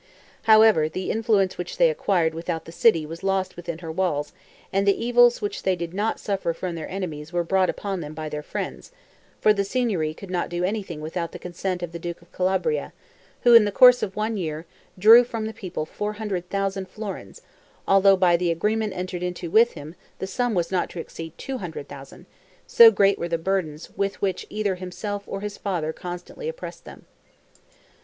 However, the influence which they acquired without the city was lost within her walls, and the evils which they did not suffer from their enemies were brought upon them by their friends; for the Signory could not do anything without the consent of the duke of Calabria, who, in the course of one year, drew from the people 400,000 florins, although by the agreement entered into with him, the sum was not to exceed 200,000; so great were the burdens with which either himself or his father constantly oppressed them.